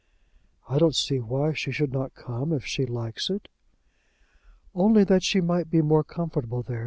"I don't see why she should not come if she likes it." "Only that she might be more comfortable there.